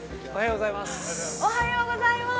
◆おはようございます。